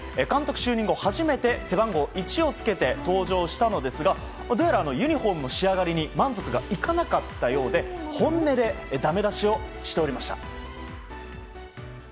監督就任後初めて背番号１をつけて、登場したのですがどうやらユニホームの仕上がりに満足がいかなかったようで本音でだめ出しをしておりました。